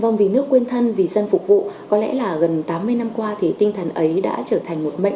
vâng vì nước quên thân vì dân phục vụ có lẽ là gần tám mươi năm qua thì tinh thần ấy đã trở thành một mệnh